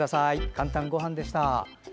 「かんたんごはん」でした。